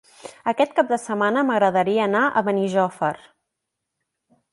Aquest cap de setmana m'agradaria anar a Benijòfar.